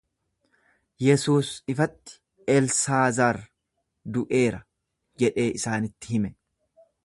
Yesuus ifatti, Elsaazar du'eera jedhee isaanitti hime.